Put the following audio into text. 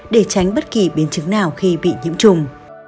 để tránh bất kỳ biến chứng nào khi bị nhiễm trùng